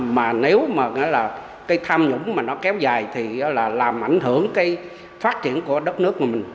mà nếu mà cái tham nhũng mà nó kéo dài thì là làm ảnh hưởng cái phát triển của đất nước của mình